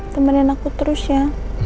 temenin aku terus ya